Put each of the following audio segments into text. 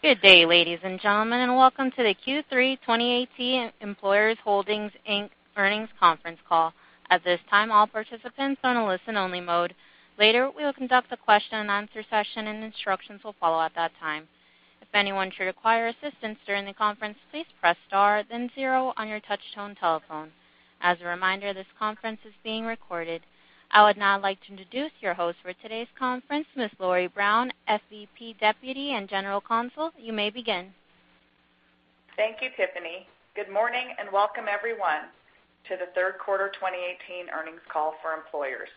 Good day, ladies and gentlemen. Welcome to the Q3 2018 Employers Holdings, Inc. earnings conference call. At this time, all participants are in a listen-only mode. Later, we will conduct a question and answer session, and instructions will follow at that time. If anyone should require assistance during the conference, please press star then zero on your touch-tone telephone. As a reminder, this conference is being recorded. I would now like to introduce your host for today's conference, Ms. Lori Brown, SVP, Deputy, and General Counsel. You may begin. Thank you, Tiffany. Good morning. Welcome everyone to the third quarter 2018 earnings call for Employers.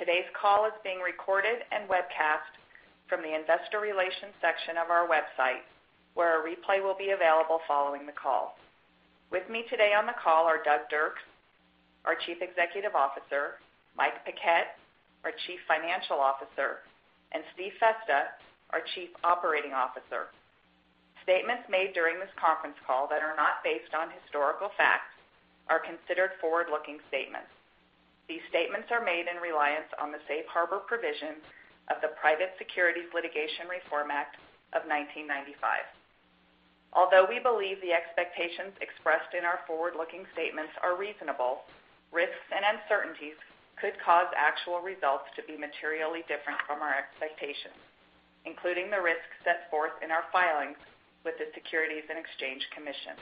Today's call is being recorded and webcast from the investor relations section of our website, where a replay will be available following the call. With me today on the call are Doug Dirks, our Chief Executive Officer, Mike Paquette, our Chief Financial Officer, and Steve Festa, our Chief Operating Officer. Statements made during this conference call that are not based on historical facts are considered forward-looking statements. These statements are made in reliance on the safe harbor provisions of the Private Securities Litigation Reform Act of 1995. Although we believe the expectations expressed in our forward-looking statements are reasonable, risks and uncertainties could cause actual results to be materially different from our expectations, including the risks set forth in our filings with the Securities and Exchange Commission.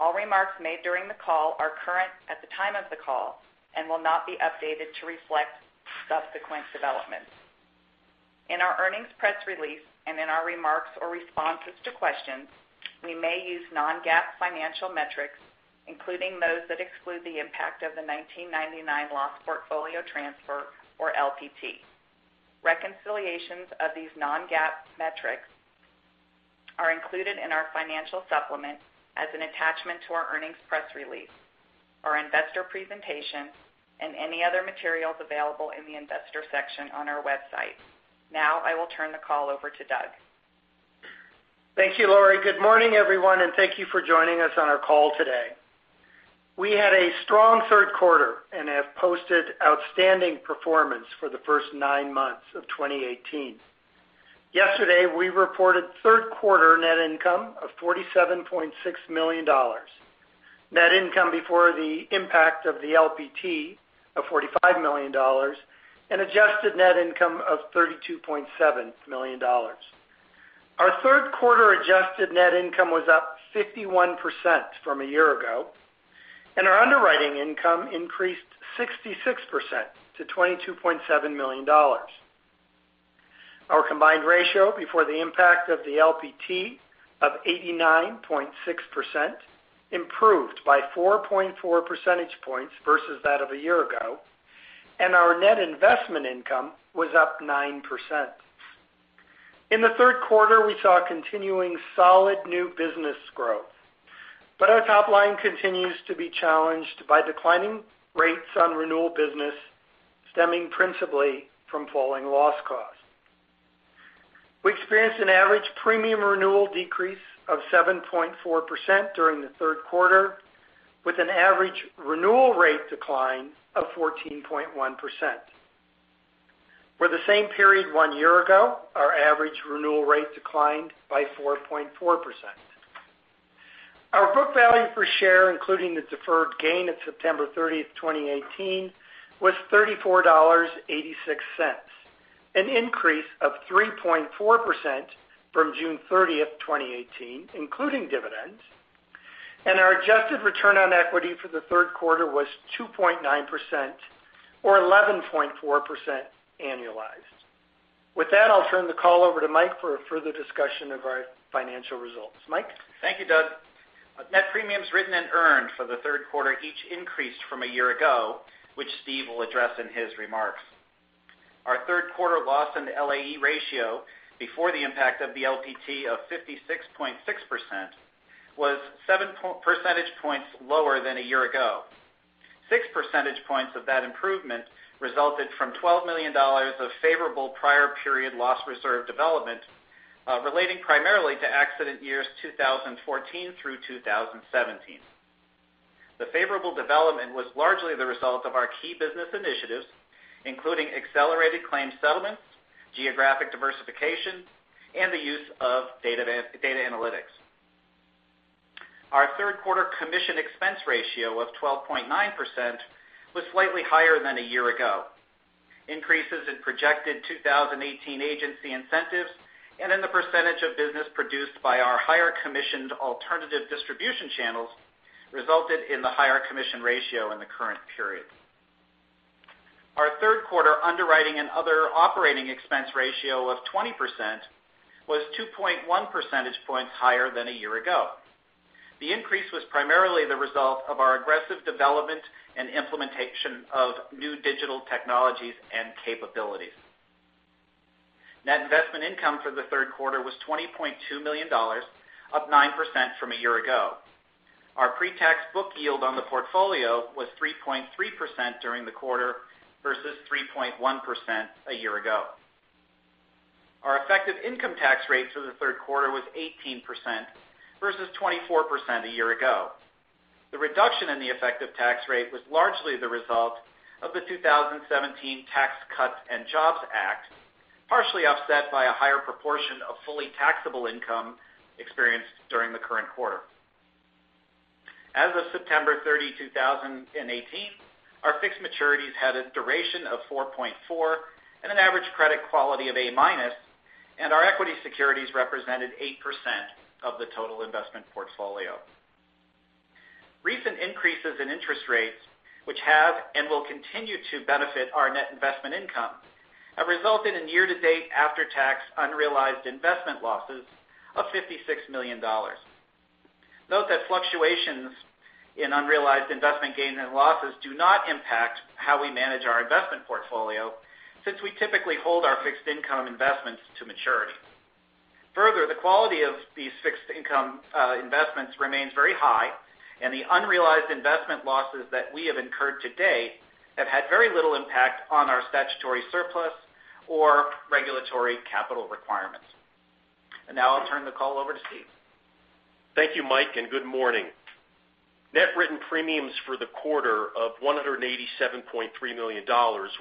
All remarks made during the call are current at the time of the call and will not be updated to reflect subsequent developments. In our earnings press release and in our remarks or responses to questions, we may use non-GAAP financial metrics, including those that exclude the impact of the 1999 loss portfolio transfer, or LPT. Reconciliations of these non-GAAP metrics are included in our financial supplement as an attachment to our earnings press release, our investor presentations, and any other materials available in the investor section on our website. I will turn the call over to Doug. Thank you, Lori. Good morning, everyone. Thank you for joining us on our call today. We had a strong third quarter and have posted outstanding performance for the first nine months of 2018. Yesterday, we reported third-quarter net income of $47.6 million, net income before the impact of the LPT of $45 million, and adjusted net income of $32.7 million. Our third-quarter adjusted net income was up 51% from a year ago, and our underwriting income increased 66% to $22.7 million. Our combined ratio before the impact of the LPT of 89.6% improved by 4.4 percentage points versus that of a year ago, and our net investment income was up 9%. In the third quarter, we saw continuing solid new business growth. Our top line continues to be challenged by declining rates on renewal business stemming principally from falling loss costs. We experienced an average premium renewal decrease of 7.4% during the third quarter, with an average renewal rate decline of 14.1%. For the same period one year ago, our average renewal rate declined by 4.4%. Our book value per share, including the deferred gain at September 30th, 2018, was $34.86, an increase of 3.4% from June 30th, 2018, including dividends, and our adjusted return on equity for the third quarter was 2.9%, or 11.4% annualized. With that, I'll turn the call over to Mike for a further discussion of our financial results. Mike? Thank you, Doug. Net premiums written and earned for the third quarter each increased from a year ago, which Steve will address in his remarks. Our third-quarter loss and the LAE ratio before the impact of the LPT of 56.6% was seven percentage points lower than a year ago. Six percentage points of that improvement resulted from $12 million of favorable prior period loss reserve development relating primarily to accident years 2014 through 2017. The favorable development was largely the result of our key business initiatives, including accelerated claims settlements, geographic diversification, and the use of data analytics. Our third-quarter commission expense ratio of 12.9% was slightly higher than a year ago. Increases in projected 2018 agency incentives and in the percentage of business produced by our higher-commissioned alternative distribution channels resulted in the higher commission ratio in the current period. Our third-quarter underwriting and other operating expense ratio of 20% was 2.1 percentage points higher than a year ago. The increase was primarily the result of our aggressive development and implementation of new digital technologies and capabilities. Net investment income for the third quarter was $20.2 million, up 9% from a year ago. Our pre-tax book yield on the portfolio was 3.3% during the quarter versus 3.1% a year ago. Our effective income tax rate for the third quarter was 18% versus 24% a year ago. The reduction in the effective tax rate was largely the result of the 2017 Tax Cuts and Jobs Act, partially offset by a higher proportion of fully taxable income experienced during the current quarter. As of September 30, 2018, our fixed maturities had a duration of 4.4 and an average credit quality of A-minus, and our equity securities represented 8% of the total investment portfolio. Recent increases in interest rates, which have and will continue to benefit our net investment income, have resulted in year-to-date after-tax unrealized investment losses of $56 million. Note that fluctuations in unrealized investment gains and losses do not impact how we manage our investment portfolio, since we typically hold our fixed income investments to maturity. Further, the quality of these fixed income investments remains very high, and the unrealized investment losses that we have incurred to date have had very little impact on our statutory surplus or regulatory capital requirements. Now I'll turn the call over to Steve. Thank you, Mike, and good morning. Net written premiums for the quarter of $187.3 million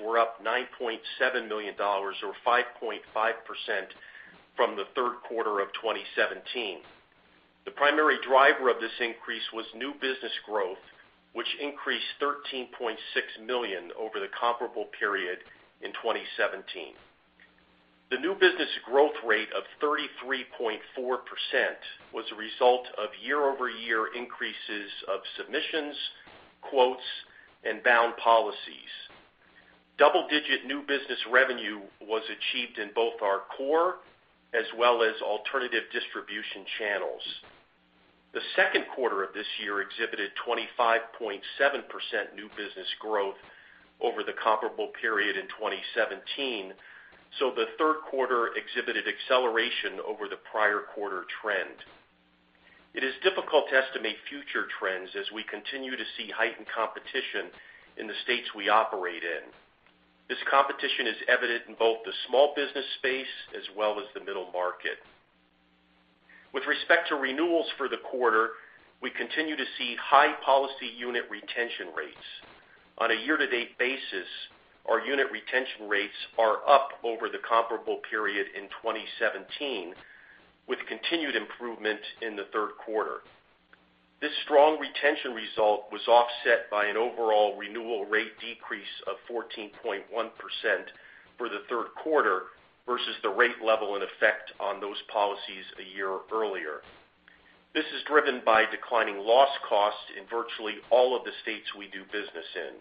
were up $9.7 million, or 5.5% from the third quarter of 2017. The primary driver of this increase was new business growth, which increased $13.6 million over the comparable period in 2017. The new business growth rate of 33.4% was a result of year-over-year increases of submissions, quotes, and bound policies. Double-digit new business revenue was achieved in both our core as well as alternative distribution channels. The second quarter of this year exhibited 25.7% new business growth over the comparable period in 2017, the third quarter exhibited acceleration over the prior quarter trend. It is difficult to estimate future trends as we continue to see heightened competition in the states we operate in. This competition is evident in both the small business space as well as the middle market. With respect to renewals for the quarter, we continue to see high policy unit retention rates. On a year-to-date basis, our unit retention rates are up over the comparable period in 2017, with continued improvement in the third quarter. This strong retention result was offset by an overall renewal rate decrease of 14.1% for the third quarter versus the rate level in effect on those policies a year earlier. This is driven by declining loss costs in virtually all of the states we do business in.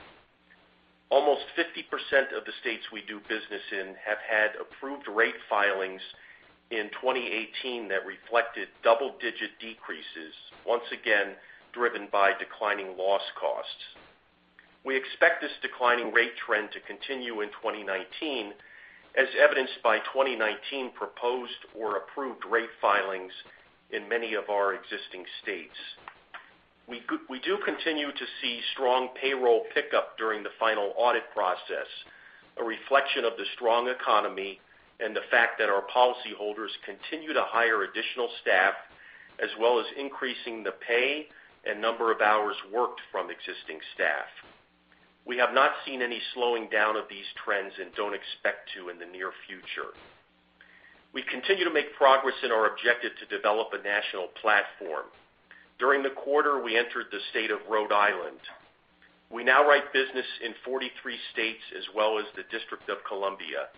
Almost 50% of the states we do business in have had approved rate filings in 2018 that reflected double-digit decreases, once again driven by declining loss costs. We expect this declining rate trend to continue in 2019, as evidenced by 2019 proposed or approved rate filings in many of our existing states. We do continue to see strong payroll pickup during the final audit process, a reflection of the strong economy and the fact that our policyholders continue to hire additional staff, as well as increasing the pay and number of hours worked from existing staff. We have not seen any slowing down of these trends and don't expect to in the near future. We continue to make progress in our objective to develop a national platform. During the quarter, we entered the state of Rhode Island. We now write business in 43 states as well as the District of Columbia.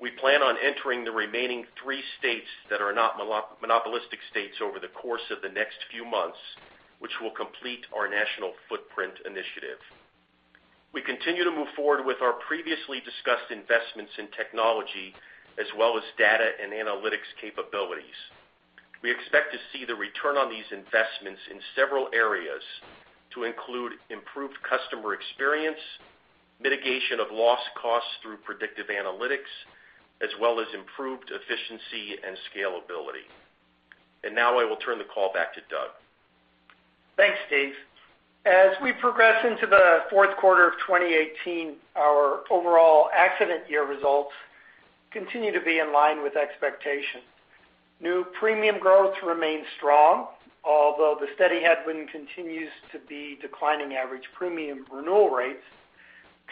We plan on entering the remaining three states that are not monopolistic states over the course of the next few months, which will complete our National Footprint Initiative. We continue to move forward with our previously discussed investments in technology as well as data and analytics capabilities. We expect to see the return on these investments in several areas to include improved customer experience, mitigation of loss costs through predictive analytics, as well as improved efficiency and scalability. Now I will turn the call back to Doug. Thanks, Steve. As we progress into the fourth quarter of 2018, our overall accident year results continue to be in line with expectations. New premium growth remains strong, although the steady headwind continues to be declining average premium renewal rates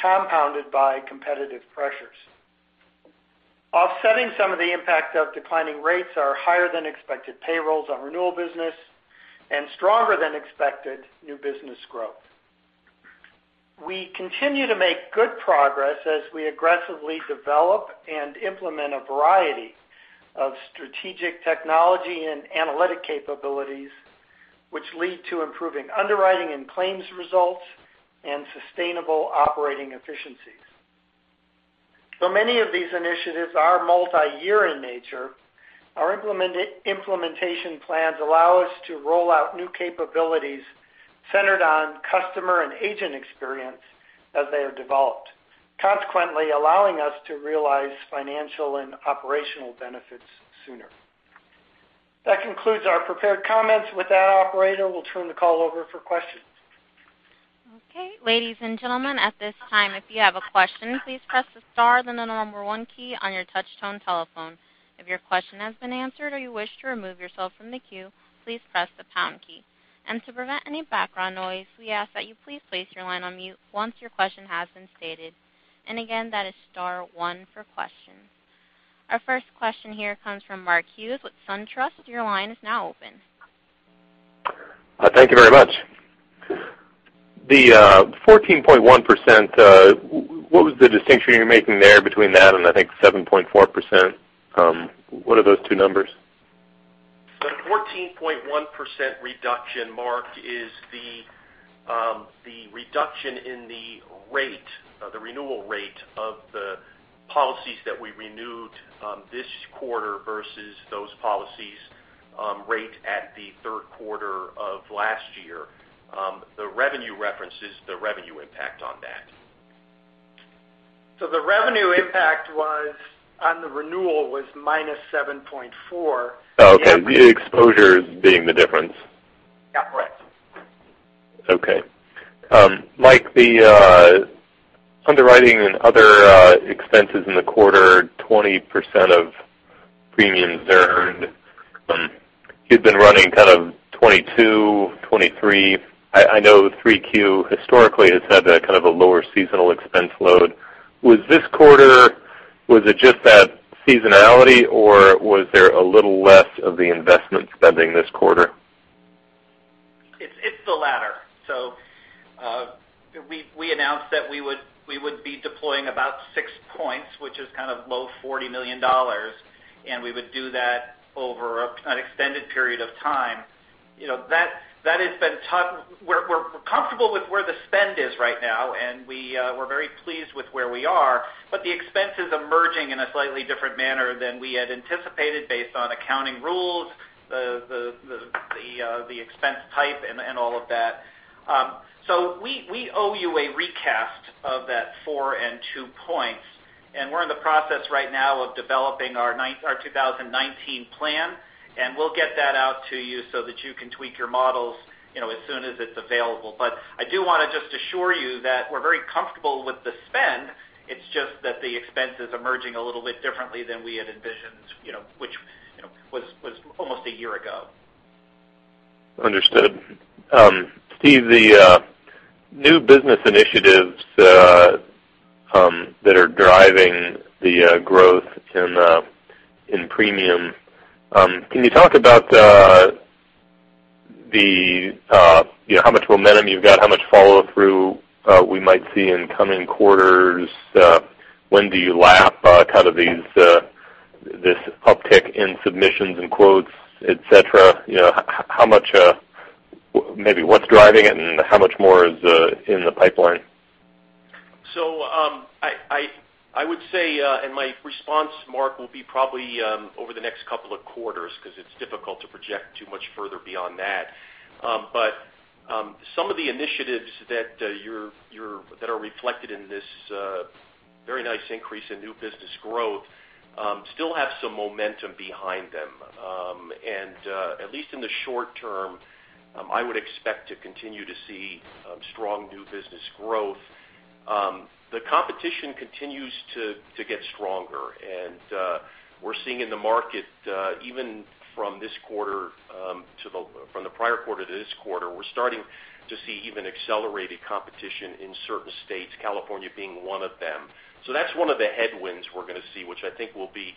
compounded by competitive pressures. Offsetting some of the impact of declining rates are higher than expected payrolls on renewal business and stronger than expected new business growth. We continue to make good progress as we aggressively develop and implement a variety of strategic technology and analytic capabilities which lead to improving underwriting and claims results and sustainable operating efficiencies. Though many of these initiatives are multiyear in nature, our implementation plans allow us to roll out new capabilities centered on customer and agent experience as they are developed, consequently allowing us to realize financial and operational benefits sooner. That concludes our prepared comments. With that, operator, we'll turn the call over for questions. Okay. Ladies and gentlemen, at this time, if you have a question, please press the star, then the number 1 key on your touch-tone telephone. If your question has been answered or you wish to remove yourself from the queue, please press the pound key. To prevent any background noise, we ask that you please place your line on mute once your question has been stated. Again, that is star 1 for questions. Our first question here comes from Mark Hughes with SunTrust. Your line is now open. Thank you very much. The 14.1%, what was the distinction you're making there between that and I think 7.4%? What are those two numbers? The 14.1% reduction, Mark, is the reduction in the renewal rate of the policies that we renewed this quarter versus those policies rate at the third quarter of last year. The revenue reference is the revenue impact on that. The revenue impact on the renewal was minus 7.4. Okay. The exposure is being the difference. Yeah, correct. Okay. Mike, the underwriting and other expenses in the quarter, 20% of premiums earned. You've been running kind of 22%, 23%. I know Q3 historically has had a kind of a lower seasonal expense load. Was this quarter, was it just that seasonality or was there a little less of the investment spending this quarter? It's the latter. We announced that we would be deploying about six points, which is kind of low $40 million, we would do that over an extended period of time. We're comfortable with where the spend is right now, we're very pleased with where we are, the expense is emerging in a slightly different manner than we had anticipated based on accounting rules, the expense type, and all of that. We owe you a recast of that four and two points, we're in the process right now of developing our 2019 plan, we'll get that out to you so that you can tweak your models as soon as it's available. I do want to just assure you that we're very comfortable with the spend. It's just that the expense is emerging a little bit differently than we had envisioned, which was almost a year ago. Understood. Steve, the new business initiatives that are driving the growth in premium, can you talk about how much momentum you've got, how much follow-through we might see in coming quarters? When do you lap kind of this uptick in submissions and quotes, et cetera? Maybe what's driving it and how much more is in the pipeline? I would say, and my response, Mark, will be probably over the next couple of quarters because it's difficult to project too much further beyond that. Some of the initiatives that are reflected in this very nice increase in new business growth still have some momentum behind them. At least in the short term, I would expect to continue to see strong new business growth. The competition continues to get stronger, and we're seeing in the market even from the prior quarter to this quarter, we're starting to see even accelerated competition in certain states, California being one of them. That's one of the headwinds we're going to see, which I think will be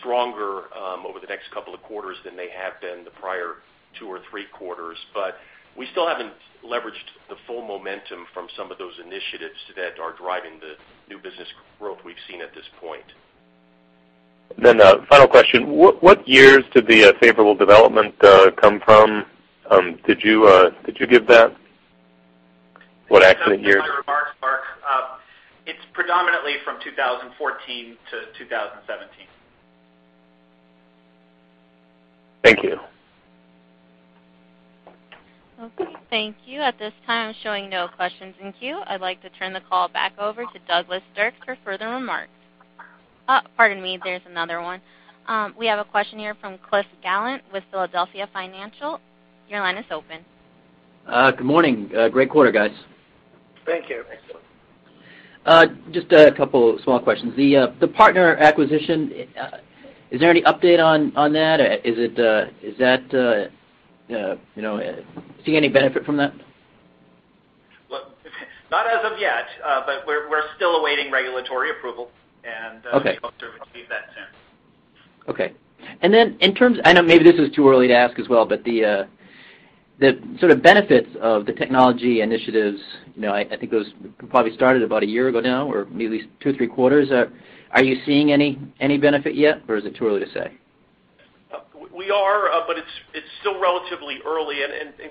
stronger over the next couple of quarters than they have been the prior 2 or 3 quarters. We still haven't leveraged the full momentum from some of those initiatives that are driving the new business growth we've seen at this point. A final question. What years did the favorable development come from? Did you give that? What accident years? In my remarks, Mark. It's predominantly from 2014 to 2017. Thank you. Okay, thank you. At this time, I'm showing no questions in queue. I'd like to turn the call back over to Douglas Dirks for further remarks. Pardon me, there's another one. We have a question here from Cliff Gallant with Philadelphia Financial. Your line is open. Good morning. Great quarter, guys. Thank you. Thanks, Cliff. Just a couple small questions. The partner acquisition, is there any update on that? Seeing any benefit from that? Not as of yet, we're still awaiting regulatory approval. Okay We hope to receive that soon. Okay. I know maybe this is too early to ask as well, the sort of benefits of the technology initiatives, I think those probably started about a year ago now or maybe at least two, three quarters. Are you seeing any benefit yet, or is it too early to say? We are, it's still relatively early.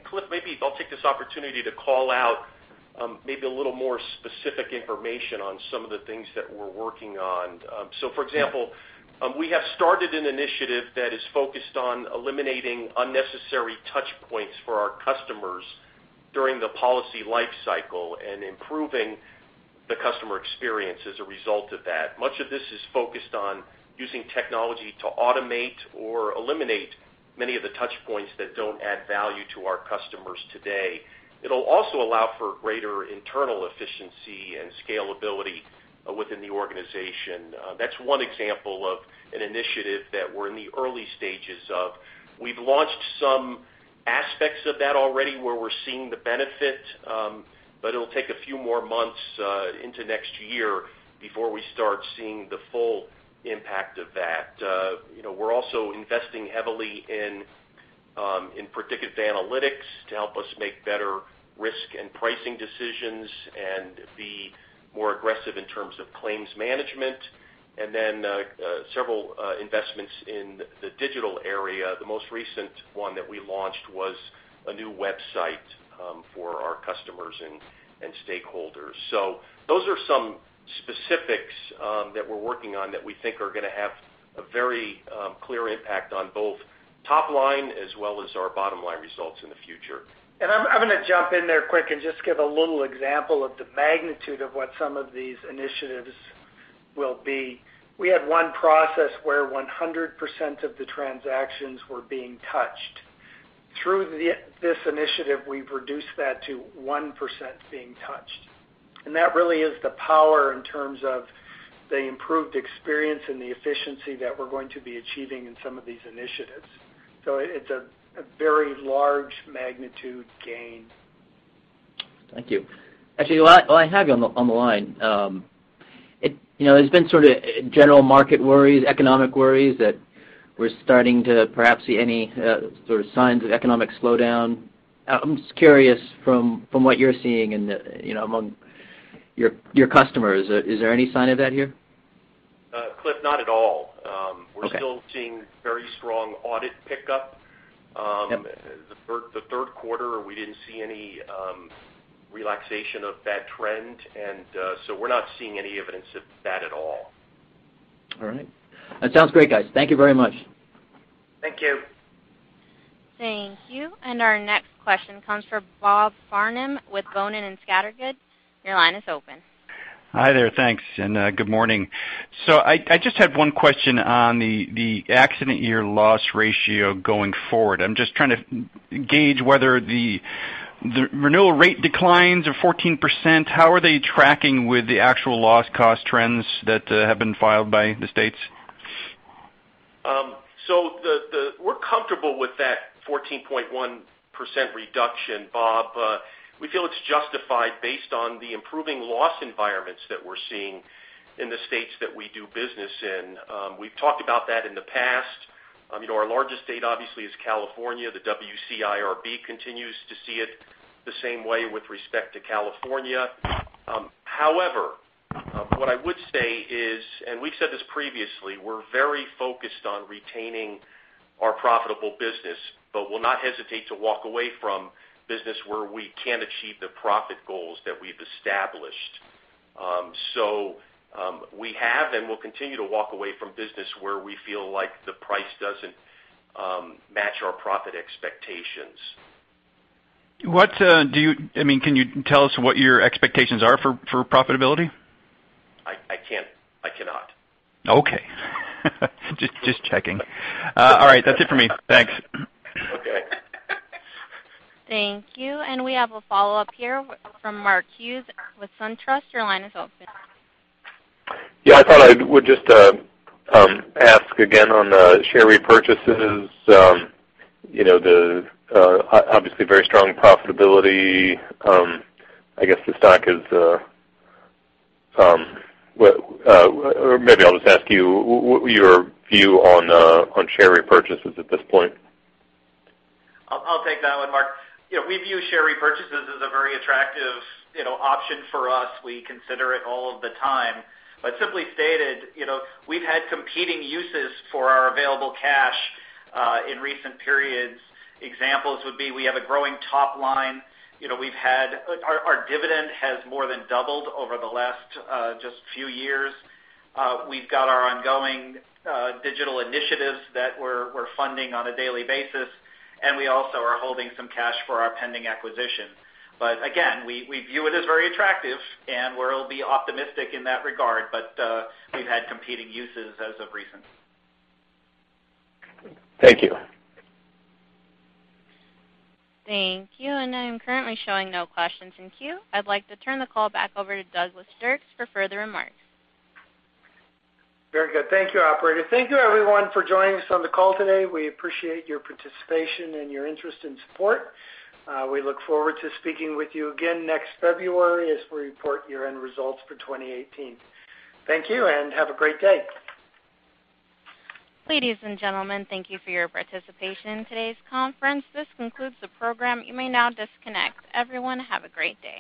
Cliff, maybe I'll take this opportunity to call out maybe a little more specific information on some of the things that we're working on. For example, we have started an initiative that is focused on eliminating unnecessary touchpoints for our customers during the policy life cycle and improving the customer experience as a result of that. Much of this is focused on using technology to automate or eliminate many of the touch points that don't add value to our customers today. It'll also allow for greater internal efficiency and scalability within the organization. That's one example of an initiative that we're in the early stages of. We've launched some aspects of that already where we're seeing the benefit, it'll take a few more months into next year before we start seeing the full impact of that. We're also investing heavily in predictive analytics to help us make better risk and pricing decisions and be more aggressive in terms of claims management. Several investments in the digital area. The most recent one that we launched was a new website for our customers and stakeholders. Those are some specifics that we're working on that we think are going to have a very clear impact on both top line as well as our bottom line results in the future. I'm going to jump in there quick and just give a little example of the magnitude of what some of these initiatives will be. We had one process where 100% of the transactions were being touched. Through this initiative, we've reduced that to 1% being touched. That really is the power in terms of the improved experience and the efficiency that we're going to be achieving in some of these initiatives. It's a very large magnitude gain. Thank you. Actually, while I have you on the line. There's been sort of general market worries, economic worries that we're starting to perhaps see any sort of signs of economic slowdown. I'm just curious from what you're seeing among your customers, is there any sign of that here? Cliff, not at all. Okay. We're still seeing very strong audit pickup. Yep. The third quarter, we didn't see any relaxation of that trend, and so we're not seeing any evidence of that at all. All right. That sounds great, guys. Thank you very much. Thank you. Thank you. Our next question comes from Bob Farnam with Boenning & Scattergood. Your line is open. Hi there. Thanks, and good morning. I just had one question on the accident year loss ratio going forward. I'm just trying to gauge whether the renewal rate declines of 14%, how are they tracking with the actual loss costs trends that have been filed by the states? We're comfortable with that 14.1% reduction, Bob. We feel it's justified based on the improving loss environments that we're seeing in the states that we do business in. We've talked about that in the past. Our largest state obviously is California. The WCIRB continues to see it the same way with respect to California. However, what I would say is, and we've said this previously, we're very focused on retaining our profitable business, but will not hesitate to walk away from business where we can't achieve the profit goals that we've established. We have, and will continue to walk away from business where we feel like the price doesn't match our profit expectations. Can you tell us what your expectations are for profitability? I cannot. Okay. Just checking. All right. That's it for me. Thanks. Okay. Thank you. We have a follow-up here from Mark Hughes with SunTrust. Your line is open. I thought I would just ask again on the share repurchases. Obviously very strong profitability. Maybe I'll just ask you, what would your view on share repurchases at this point? I'll take that one, Mark. We view share repurchases as a very attractive option for us. We consider it all of the time. Simply stated, we've had competing uses for our available cash in recent periods. Examples would be we have a growing top line. Our dividend has more than doubled over the last just few years. We've got our ongoing digital initiatives that we're funding on a daily basis, and we also are holding some cash for our pending acquisition. Again, we view it as very attractive, and we'll be optimistic in that regard. We've had competing uses as of recent. Thank you. Thank you. I am currently showing no questions in queue. I'd like to turn the call back over to Douglas Dirks for further remarks. Very good. Thank you, operator. Thank you, everyone, for joining us on the call today. We appreciate your participation and your interest and support. We look forward to speaking with you again next February as we report year-end results for 2018. Thank you, and have a great day. Ladies and gentlemen, thank you for your participation in today's conference. This concludes the program. You may now disconnect. Everyone, have a great day.